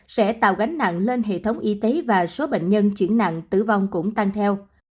sẽ tạo gánh nặng lên hệ thống y tế và số bệnh nhân chuyển nặng tử vong cũng tăng theo